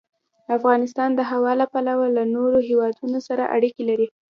افغانستان د هوا له پلوه له نورو هېوادونو سره اړیکې لري.